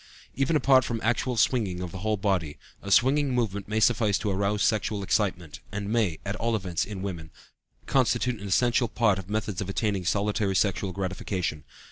Even apart from actual swinging of the whole body, a swinging movement may suffice to arouse sexual excitement, and may, at all events, in women, constitute an essential part of methods of attaining solitary sexual gratification.